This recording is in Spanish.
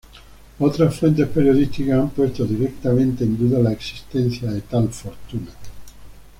Otras fuentes periodísticas han puesto directamente en duda la existencia de tal fortuna.